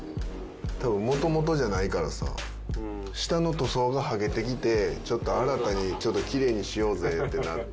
多分もともとじゃないからさ下の塗装が剥げてきてちょっと新たにちょっとキレイにしようぜってなって。